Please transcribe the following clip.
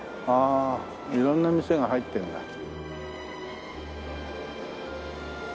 ああ色んな店が入ってんだ。